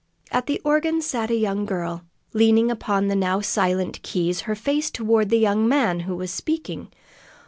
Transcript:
At the organ sat a young girl, leaning upon the now silent keys, her face toward the young man who was speaking.